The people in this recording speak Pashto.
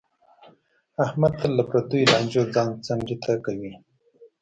احمد تل له پردیو لانجو ځان څنډې ته کوي.